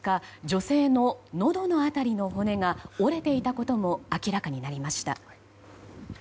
女性ののどの辺りの骨が折れていたことも明らかになりました。